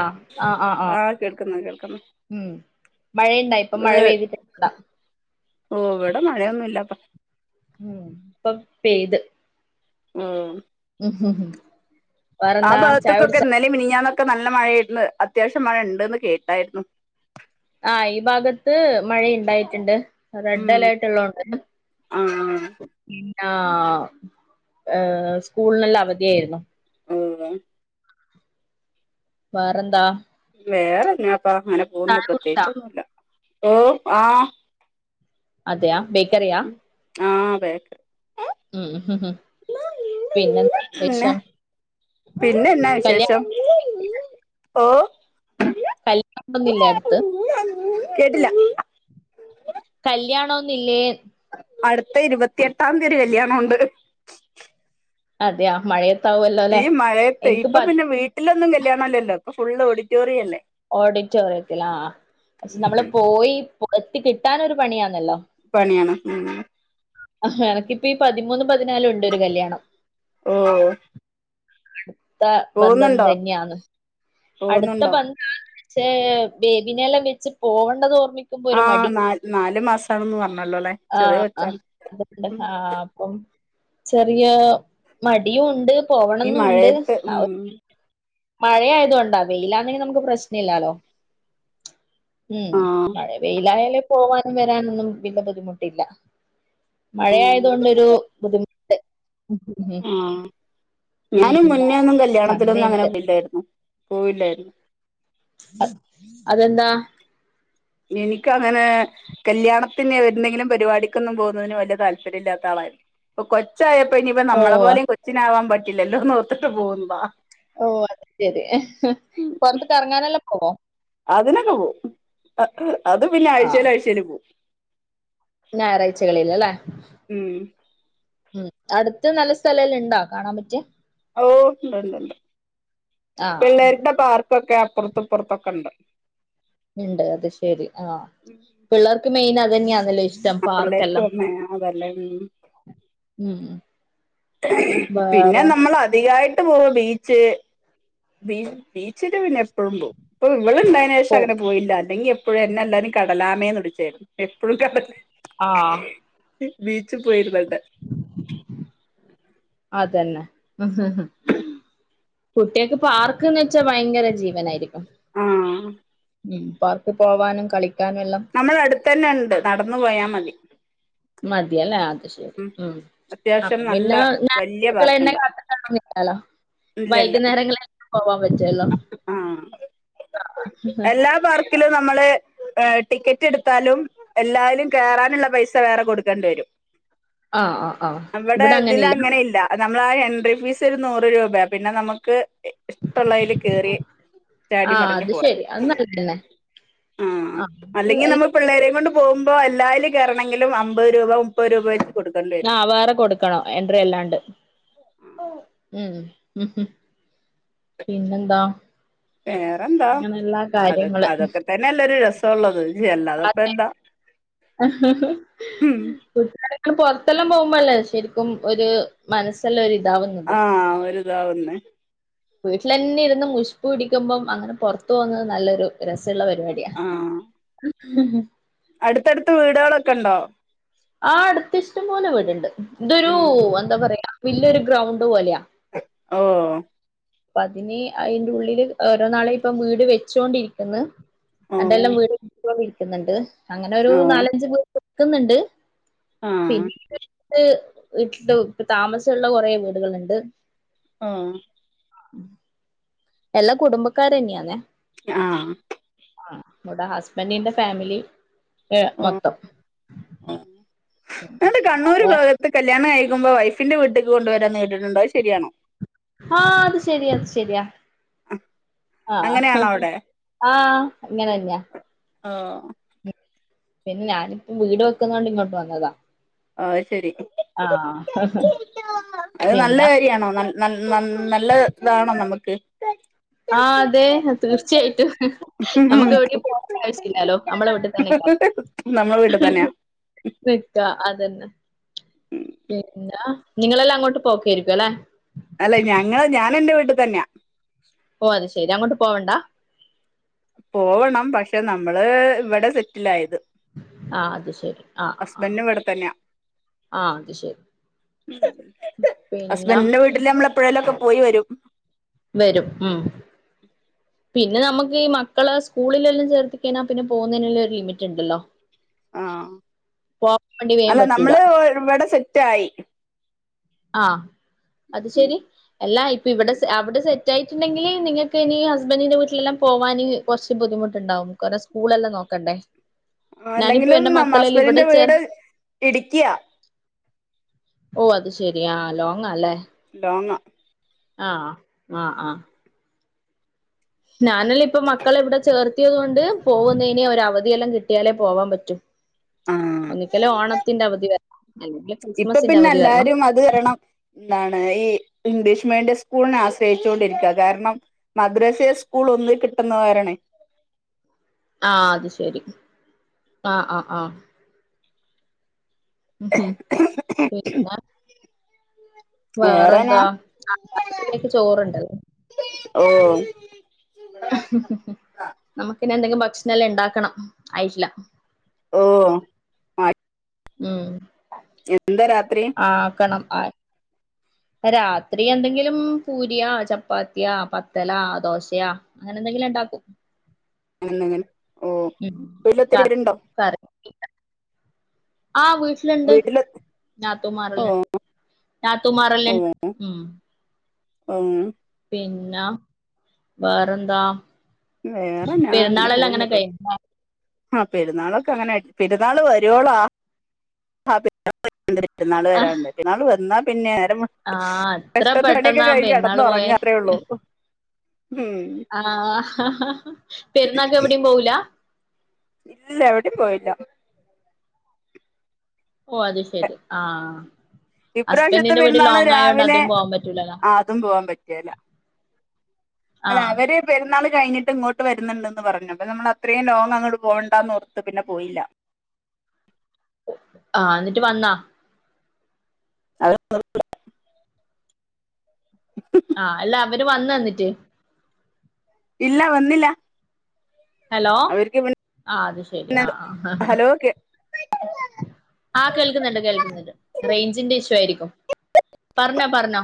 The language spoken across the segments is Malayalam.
ആഹ് ആഹ് ആഹ് ആഹ് കേൾക്കുന്നു കേൾക്കുന്നു ഉം. മഴയുണ്ടായി ഇപ്പൊ മഴ പെയ്തിട്ടുണ്ട ഓ ഇവിടെ മഴയൊന്നുല്ലപ്പ. ഉം ഇപ്പൊ പെയ്ത്. ഉം. ഉം ഉം ആ വേറെന്താ ചായ ഭാഗത്തുക്കൊക്കെ കുടിച്ചാ ഇന്നലെം മിനിഞ്ഞാനും ഒക്കെ നല്ല മഴയായിരുന്നു അത്യാവശ്യം മഴ ഉണ്ടന്ന് കേട്ടായിരുന്നു. ആ ഈ ഭാഗത്ത് മഴണ്ടായിട്ടുണ്ട്. ഉം റെഡ് അലേർട്ട് ഉള്ളതോണ്ട് ആഹ് ആ ഏ സ്കൂളിനെല്ലാം അവധിയായിരുന്നു. ഓ. വേറെന്താ? വേറെ എന്നാപ്പാ. അങ്ങനെ പോകുന്ന് ചായ കുടിച്ചാ പ്രത്യേകിച്ചൊന്നൂല്ല ഓ ആ അതെയാ ബേക്കറിയാ ആ ബേക്ക ഉം പിന്നെന്താ വിശേഷം പിന്നെ എന്നാ വിശേഷം കല്യാണം ഓ കല്ലൊണ്ടിന്നില്ലെ അടുത്ത്. കേട്ടില്ല കല്യാണോന്നില്ലേ അടുത്ത ഇരുപത്തിയെട്ടാംതി ഒര് കല്ല്യാണം ഉണ്ട്. അതെയാ മഴയ ഈ മഴയത്തെ ഇപ്പൊ പിന്നെ വീട്ടിലൊന്നും കല്യാണ ഇല്ലല്ലോ ഇപ്പൊ ഫുള്ള് ഓഡിറ്റോറിയല്ലേ ഓഡിറ്റോറിയത്തിലാ ആ പക്ഷെ നമ്മള് ഉം പോയി എത്തി കിട്ടാനൊരു പണിയാണല്ലൊ. പണിയണം മ് എനക്കിപ്പ ഈ പതിമൂന്ന് പതിനാലുണ്ട് ഒരു കല്യാണം. ഓ അടുത്ത ബന്ധം പോകുന്നുണ്ടോ തന്നെയാന്ന്. അടുത്ത പോകുന്നുണ്ടോ ബന്ധാണ് ക്ഷേ ബേബിനെല്ലവെച്ച് പോവണ്ടതോർ നിക്കുമ്പൊ ആ ഒരുമടി നാ നാല് മാസാണെന്ന് പറഞ്ഞല്ലോ അല്ലെ ആ ചെറിയ അ കൊച്ചാണ് ആ ഉം ആ അപ്പം ചെറിയ മടിയും ഉണ്ട് പൊ ഈ ഉണ്ട് മഴയത്ത് ഉം അഹ് മഴയായതോണ്ടാ വെയിലാണെങ്കി നമുക്ക് പ്രശ്നഇല്ലാലോ. ഉം ആ മഴ വെയിലായാലേ പോവാനും വരാനൊന്നും വല്യ ബുദ്ധിമുട്ടില്ല. മഴ ആയതോണ്ട് ഒരു ബുദ്ധിമുട്ട് ആ ഞാനും പിന്നെ മുന്നേ ഒന്നും കല്യാണത്തിലൊന്നും അങ്ങനെ അങ്ങനെയുണ്ട് പോയില്ലായിരു പോവില്ലായിരുന്നു. അ അതെന്താ എനിക്ക്അങ്ങനെ കല്യാണത്തിന് എന്തെങ്കിലും പരിപാടിക്കൊന്നും പോവുന്നതിന് വല്യതാൽപര്യല്ലാത്ത ആളാ പ്പൊ കൊച്ചായപ്പോ ഇനിപ്പ ഓ നമ്മളെപോലിം കൊച്ചിനാവാൻ പറ്റില്ലല്ലോന്ന് ഓർത്തിട്ട് പോവുന്നതാ ഓ അതു ശരി പൊറത്ത് കറങ്ങാനല്ലപോവോ അതിനൊക്കെ പോവും. അത് പിന്നെ ആ ആഴ്ചയില് ആഴ്ചയില് പോവും. ഞായറാഴ്ചകളിൽ അല്ലേ ഉം ഉം അടുത്ത് നല്ല സ്ഥലെല്ലണ്ടോ കാണാപറ്റ്യേ ഓ ണ്ട് ണ്ട് ണ്ട് ആ പിള്ളേർക്ക പാർ ക്കൊക്കെ അപ്പുറത്ത് ഇപ്പുറത്തൊക്കെണ്ട്. ഉണ്ട് അത് ശരി ആ പിള്ളേർക്ക് മെയിൻ അതെന്നെയാന്നല്ലോ ഇഷ് ഷ്ടം പിള്ളേർക്ക് പാർക്കെല്ലാം വന്ന അതല്ലേ ഉം ഉം ഉം പിന്നെ നമ്മൾ അധികായിട്ട് പോവ ബീച്ച് ബീ ബീച്ചില് പിന്നെ എപ്പഴും പോവും ഇപ്പൊ ഇവള് ഉണ്ടായേനുശേഷം പോ അങ്ങനെ പോയില്ല അല്ലെങ്കി എപ്പ പ്പഴും എന്നെ എല്ലാരും കടലാമേന്ന് വിളിച്ചായിരുന്നു എപ്പഴും കടല് ആ ബീച്ചിൽ പോയിരുന്നോണ്ടോ അതന്നെ ഇഹ് ഹ്ഹ് കുട്ടേക്ക് പാർക്ക്ന്ന് വെച്ചാ ഭയങ്കര ജീവനായിരിക്കും. ആഹ് ഉം പാർക്ക്പോവാനും കളി നമ്മളെ അടുത്തന്നെ ഉണ്ട് നടന്നു പോയാ മതി. മതിയല്ലൊ അത് ശരി ഉം അത്യാവശ്യം അപ്പൊ നല്ല പിന്നെ വലിയ [unintelligible] പാർക്കുണ്ട് കാത്ത് [unintelligible] നിക്കാലോ ഇല്ലല്ല വൈകുന്നേരങ്ങളിൽ എല്ലാം പോവാൻ പറ്റുല്ലോ. ആഹ് എല്ലാ പാർക്കിലും നമ്മള് ഏ ടിക്കറ്റ് എടുത്താലും എല്ലാരുംകയറാനുള്ള പൈസ വേറെ കൊടുക്കേണ്ടി വരും ആഹ് ആഹ് ആഹ് അവിടെ ഇവിടെ ഇതില അങ്ങനില്ല അങ്ങനെ ഇല്ല നമ്മളാ എൻട്രി ഫീസ് ഒരു നൂറ് രൂപയാ പിന്നെ നമുക്ക് ഇഷ്ടള്ളയില് കേറി ചാടി ആഹ് മറിഞ്ഞു അത് പോരാ ശരി അത് നല്ലതന്നെ ആ അല്ലെങ്കിൽ ആഹ് നമ്മള് പിള്ളേരെയും കൊണ്ട് പോകുമ്പോ ഇപ്പൊ എല്ലായിലും കെയറണങ്കിലും അമ്പത് രൂപ മുപ്പത് രൂപ വെച്ച് കൊടുക്കേണ്ടി ആ വരും വേറെ കൊടുക്കണോ എൻട്രി അല്ലാണ്ട് ഉം മ്ഹ് ഉം പിന്നെന്താ വേറെന്താ അങ്ങനെ എല്ലാ അതൊ കാര്യങ്ങള് അതൊക്കെ തന്നെല്ലരു രസംള്ളത് അതെ മ്ഹി ഉം ഹി ഹ് പൊറത്തെല്ലാം പോകുമ്പോ അല്ലേ ശരിക്കും ഒരു മനസ്സെല്ലാം ഒര് ആ ഒരുതാവുന്നേ വീട്ടിലെന്നെ ഇരുന്ന് മുഷ്പുടിക്കുമ്പം അങ്ങനെ പുറത്തു പോകുന്നത് നല്ലൊരു രസ് ള്ള പരിപാടിയ മ്ഹ് ഹും ഹും അടുത്തടുത്തു വീടുകളൊക്കെ ഉണ്ടോ ആ അടുത്ത് ഇഷ്ടം പോലെ വീടുണ്ട് ഇതൊരു ഉം എന്താ പറയാ വല്യൊരു ഗ്രൗണ്ട് പോലെയാ ഓ അപ്പ അതിന് അയിന്റെ ഉള്ളില് ഓരോ നാളെ ഇപ്പം വീട് വെച്ചോണ്ടിരിക്കുന്നു ഓ അന്റെല്ലാം വീട് പോ ഇരിക്കുന്നുണ്ട് അങ്ങനെ ഒരു ഓ നാലഞ്ച്പേര് വെക്കുന്നുണ്ട് ആഹ് പിന്നെ ഇത് ഇട്ട് ഇട്ടു ഇപ്പ താമസമുള്ള കുറേ വീടുകളുണ്ട് ആഹ് എല്ലാ കുടുംബക്കാരന്നെയാന്നെ ആഹ് ആ ഇവിടെ ഹസ്ബന്റിന്റെ ഫാമിലി ഏ മൊത്തം ഹ് കണ്ണൂർ ഭാഗത്ത് ക്ക് കല്യാണം കഴിക്കുമ്പോ വൈഫിന്റെ വീട്ടേക്ക് കൊണ്ടുവരാന്ന് കേട്ടിട്ടുണ്ട് അത്ശരിയാണോ ആഹ് അത് ശെരിണ് ശെരിയാ ആഹ് അങ്ങനെയാണോ അവിടെ ആഹ അങ്ങനെ തന്നെയാ അഹ് പിന്നെ ഞാനിപ്പം വീട് വെക്കുന്നതോണ്ട് ഇങ്ങോട്ട് വന്നതാ ഓ അത് ശരി ആഹ് അത് നല്ല കാര്യയാണോ നന്ന നല്ല ഇതാണോ നമ്മുക്ക് ആ അതെ തീർച്ചയായിട്ടും നമ്മുക്ക് എവിടെ പോകണ്ട ആവശ്യല്ലാലോ നമ്മളെ വീട്ടിൽ തന്നെ നിക്കാം. [unintelligible] നമ്മുടെ വീട്ടിൽ തന്നെയാ അതെന്നെ ഉം. പിന്നെ നിങ്ങളെല്ലാം അങ്ങോട്ട് പോക്കായിരിക്കും അല്ലെ അല്ല ഞങ്ങള് ഞാനെന്റെ വീട്ടിൽ തന്നെയാ ഓ അത് ശെരി അങ്ങോട്ട് പോവണ്ടാ പോവണം പക്ഷെ നമ്മള് ഇവിടെ സെറ്റിൽ ആായത് ആ അത് ശരി. ആ ആ ആ. ഹസ്ബൻഡ ഇവിടെ തന്നെയാ ആ അത് ശരി. പിന്നെ ഹസ്ബൻഡിന്റെ വീട്ടില് നമ്മള അപ്പോഴലൊക്കെ പോയി വരും വരും ഉം പിന്നെ നമുക്ക് ഈ മക്കള് സ്കൂളിലെല്ലാം ചേർത്തിക്കനാ പിന്നെ പോകുന്നതിനെല്ലാം ഒരു ലിമിറ്റ് ഉണ്ടല്ലോ ആഹ പോകാൻ വേണ്ടി വേഗം അല്ല പറ്റൂല. നമ്മള് ഇവിടെ സെറ്റായി ആഹ അത് ഉം. ശരി എല്ലാ ഇപ്പ ഇവിടെ അവിടെ സെ റ്റായിട്ടുണ്ടെങ്കിൽ നിങ്ങക്ക് ഇനി ഹസ്ബൻറിിന്റെ വീട്ടിലെല്ലാം പോവാൻ കുറച്ച് ബുദ്ധിമുട്ടുണ്ടാവും കുേ സ്കൂൾ എല്ലാം നോക്കും ക്കണ്ടേ അല്ലെങ്കിലും നമ്മ ഹസ്ബൻറിിന്റെ വീട് ഇടുക്കിയാ ഓ അത് ശരി ആ.... ലോങ്ങ ആഹ ആഹ ആഹ ഞാനല്ല ഇപ്പ മക്കള ഇവിടെ ചേർത്തിയത് കൊണ്ട് പോകുന്നതിന് ഒരു അവധിയെല്ലാം കിട്ടിയാലേ പോവാൻ പറ്റും ആഹ് ഒന്നിക്കല ഓണത്തിന്റെ അവധി വരണം അല്ലെങ്കിൽ ഇപ്പൊ ക്രിസ്മസിന്റെ പിന്നെ അവധി വരണം എല്ലാരും അത് വരണം എന്താണ് ഈ ഇംഗ്ലീഷ് മീഡിയം സ്കൂളിനെ ആശ്രയിച്ചു കൊണ്ടിരിക്കുക കാരണം മദ്രസെ സ്കൂൾ ഒന്ന് കിട്ടുന്നവാരണേ ആഹ അത് ശരി ആഹ ആഹ് ആഹ് ഉം ശ എന്ന [unintelligible] വേറെ വേറെനാ എന്താ ആൊക്കെ ചോറുണ്ടോ ഓ നമുക്കന്നെ എന്തെങ്കിലും ഭക്ഷണംെല്ലാം ഉണ്ടാക്കണം ആയിട്ടില്ല ഓ ആ [unintelligible] ഉം എന്താ രാത്രി ആക്കണം ആ [unintelligible] രാത്രി എന്തെങ്കിലും പൂരിയാ ചപ്പാത്തിയാ പത്തല ദോശയാ അങ്ങനെ എന്തെങ്കിലും ഉണ്ടാക്കും അങ്ങനന്ന അങ്ങനെ ഓ ഇപ്പല്ല ഒത്തിരി പേരുണ്ടോ എ [unintelligible] ആഹ് വീട്ടിലുണ്ട് വീട്ടില് ഓ ഞാത്തൂമാറിലുണ്ട് ഞാത്തമാറല്ലേണ്ട ഉം ഉം പിന്ന വേറെന്താ വേറെ ഞാ അങ്ങനെ പെരുന്നാളെല്ലാം പോകുന്നു പ്ര കഴിഞ്ഞോ ആ പെരുന്നാളൊക്കെ അങ്ങനെ പെരുന്നാൾ വരുവോളാ എ പെരുന്നാൾ വരാാണ്ണ്ട് പരുന്നാൾ വന്നാൽ പിന്നെ ആ എത്ര കഷന്ന് പണിയൊക്കെ പെട്ടെന്നാ കഴിഞ്ി കടന്ന് പെരുന്നാള് ഉറങ്ങറേള്ളൂ ആഹ പെരുന്നക്കെ എവിടയും പോവു ല ഇല്ല എവിടെയും പോയില്ല ഓ അത് ശെരി ആ ഇപ്രാവശ്യത്തെ ഹസ്ബൻറിിന്റെ വീട്ടിൽ ലോ പെരുന്നാള് ആയോണ്ട് രാവിലെ അതും പോവാൻ പറ്റൂലല്ലാ അതും പോവാൻ പറ്റിയല്ല അല്ല അവര് പെരുന്നാൾ കഴിഞ്ഞിട്ട് ഇങ്ങോട്ട് വരുന്നുണ്ട്ന്ന് പറഞ്ഞു അപ്പ നമ്മൾ അത്രയും ലോങ്ങ് അങ്ങോട്ട പോേണ്ടന്ന് റത്ത് പിന്നെ പോയില്ല [inaudible] ആഹ എന്നിട്ട് വന്നാ അ [unintelligible] ആ് അല്ല അവര് വന്ന തന്നിട്ട് ഇല്ല വന്നില്ല ഹലോ അവർക്ക് പിന്നെ ആ അത് ശെരി ആ ആ ഹലോ ആഹ കേൾക്കുന്നുണ്ട് കേൾക്കുന്നുണ്ട് റേഞ്ചിന്റെ ഇഷു ആയിരിക്കും പറഞ്ഞ പറഞ്ഞോ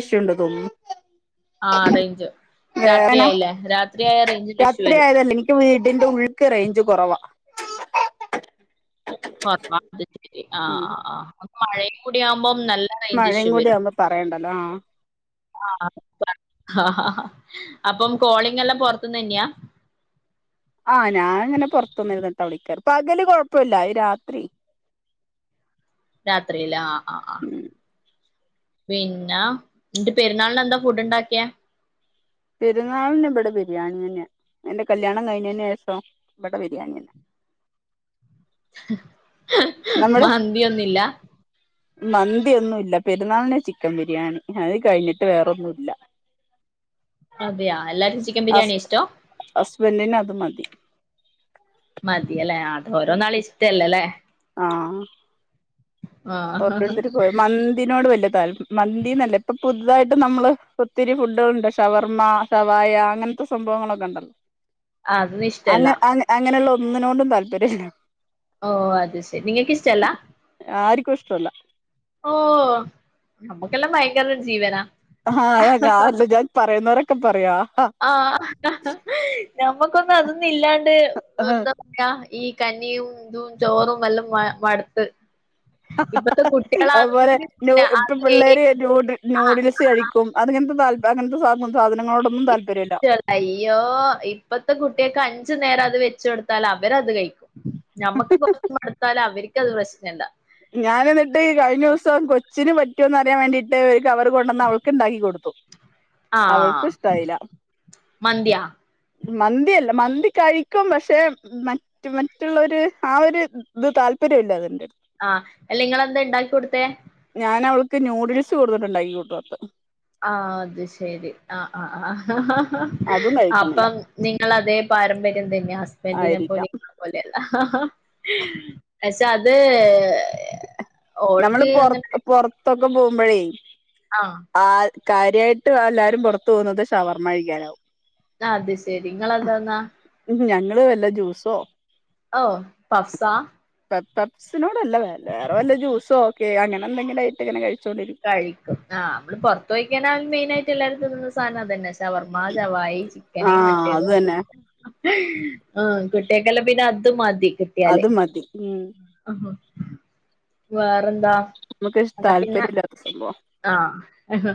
ഇഷുണ്ടോ തോന്നുന്നു ആഹ റേഞ്ച് വേദന രാത്രിയയില്ലേ രാത്രിയ റേഞ്ചിൽ ഇഷു രാത്രി വരും ആയതല്ല എനിക്ക് വീടിന്റെ ഉള്ളിക്ക് റേഞ്ച് കുറവാ കുറവാ അ ശരി ആ ഉം. ആ ആ മഴ കൂടി ആവുമ്പ നല്ല റേഞ്ച് മഴയും ഇഷ്യൂ കൂടി വരും ആവുമ്പോ പറയണ്ടല്ലോ ആ ആ അപ്പം കോളിങ് എല്ലാം പൊറത്തന്ന് തന്നെയാ ആഹ് ഞാനങ്ങനെ പുറത്തനിന്നരുന്നിട്ട് വിളിക്കാറ് ഇപ്പ പകല് കൊഴപ്പില്ല ഈ രാത്രി രാത്രിയില ആഹ് ആഹ് ആഹ ഉം പിന്നെ എന്റെ പെരുന്നാളിന എന്താ ഫുഡ് ഉണ്ടാക്കിയാ പെരുന്നാളന്ന ഇവിടെ പ ബിരിയാണി തന്നെയാ എന്റെ കല്യാണം കഴിഞ്ഞതിന് ശേഷം ഇവിടെ ബിരിയാണി തന്നെ ഇഹ് ഏഹ് ഏഹ് മന്തി ഒന്നുല്ല മന്തി ഒന്നു ഇല്ല പെരുന്നാളിന് ചിക്കൻ ബിരിയാണി അത് കഴിഞ്ഞിട്ട് വേറൊന്നും ഇല്ല അതെയാ എല്ലാർക്കും ചിക്കൻ ഹസ് ബിരിയാണി ഇഷ്ടം ഹസ്ബൻഡിന് അത് മതി മതിയല്ലേ അത ഓരോ ആൾ ഇഷ്ടല്ലല്ലേ ആഹ് ആഹ് ഓരോരുത്തർ പോയ മന്തിനോട് വല്ല്യ മന്തിന്നല്ല ഇപ്പൊ പുതുതായിട്ട് നമ്മള് ഒത്തിരി ഫുഡുകളുണ്ട് ഷവർമ്മ ഷവായ അങ്ങനെ ഇങ്ങനത്തെ സംഭവങ്ങളൊക്കെ ഉണ്ടല്ലോ അതൊന്നും ഇഷ്ടല്ല അങ്ങ അങ്ങനെയുള്ള ഒന്നിനോണ്ടും താല്പര്യല്ല ഓ അത് ശരി നിങ്ങൾക്ക് ഇഷ്ട അല്ലാ? അല്ലാ ഓ നമ്മൾക്കെല്ലാം ഭയങ്കര ജീവനാ ആഹ ഞാനില്ല ഞാൻ പറയുന്നവരൊക്കെ പറയാ ആഹ നമ്മൾക്കൊന്നും അതൊന്നും ഇല്ലാണ്ട് ആഹ് എന്താ പറയാ ഈ കഞ്ഞിയും ഇതും ചോറും എല്ലാം മ മടുത്ത് ഇപ്പത്തെ ഹഹഹ അതുപോലെ കുട്ടികളാണെങ്കി പിന്നെ നൂഡ്ഡ് ഇപ്പോ അത് പിള്ളേര് നൂഡ്ഡ് ആഹ് നൂഡിൽസ് കഴിക്കും അങ്ങനത്തെ സ സാ [unintelligible] [inaudible] യ്യോ ഇപ്പോൾത്തെ കുട്ടികൾക്ക് അഞ്ച അഞ്ചു നേരം അത് വെച്ചുകൊടുത്താൽ അവരത് കഴിക്കും നമ്മക്ക് കൊപ്പ എടുത്താൽ അവർക്കത് പ്രശ്നംല്ല [unintelligible] ഞാൻ എന്നിട്ട് ഈ കഴിഞ്ഞ ദിവസം കൊച്ചിന് പറ്റുമോന്ന് അറിയാൻ വേണ്ടിട്ട് കവർ കൊണ്ടുവന്ന അവൾക്ക് ഇണ്ടാക്കി കൊടുത്തു ആഹ് അവൾക്ക് ഇഷ്ടായില്ല മന്തിയാ മന്തിയല്ല മന്തി കഴിക്കും പക്ഷെ മറ്റ് മറ്റുള്ളോരേ ആ ഒരു ഇത് താല്പര്യം താല്പര്യമില്ല അതിന്റെ അടുത്ത് ആഹ് അല്ല ഇങ്ങളെന്താ ഉണ്ടാക്കി കൊടുത്തേ ഞാൻ അവൾക്ക് നൂഡിൽസ് കൊടുന്നിട്ട് ഉണ്ടായി കൊടുക്കൽ ആ അത് ശെരി ആ ആ ആ ഹഹഹ ഹ അതും കഴിക്കുന്നില്ല അപ്പോം നിങ്ങളാതേ പാരമ്പര്യം തന്നെ ഹസ്ബന്റ്നെ പോലെ ആയിരിക്കാം ഇങ്ങളെ പോലെയല്ല പക്ഷെ അത് നമ്മള് ഓൾക്ക് പുറ പുറത്തൊക്കെ പോകുമ്പോഴേ ആഹ കാര്യമായിട്ട് എല്ലാരും പുറത്തു പോകുന്നത് ഷവർമഴിക്കാനാവും അത് ശരി നിങ്ങളെന്താ തിന്നാ ഞങ്ങള് വല്ല ജ്യൂസോ ഓ പഫ്സാ? പഫ്സിനോടല്ല വേറെ വല്ല ജൂസോ ഒക്കെ അങ്ങനെ എന്തെങ്കിലും ആയിട്ട് ഇങ്ങനെ കഴിക്കു കഴിക്കും ആ നമ്മള് പുറത്ത് പോയിക്കഴിഞ്ഞ മെയിനായിട്ട് എല്ലാരും തിന്നന്ന സാധനം അത് തന്നെ ഷവർമ്മ ഷവായി ചിക്കന് ആഹ് മറ്റേത് അത് തന്നെ ആ കുട്ടിൾക്കെല്ലാം പിന്നെ അത് മതി കിട്ടിയാല് അത് മതി ഉം വേറെന്താ നമുക്ക് എന്നാ പിന്നെ താല്പര്യമില്ലാത്ത സംഭവം ആ ആഹ്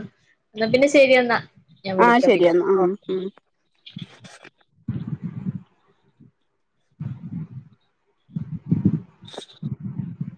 എന്നാ പിന്നെ ശരി എന്നാ ഞാൻ ആഹ് വിളിക്ക പിന്നെ ശരിയെന്നാ ഉം ഉം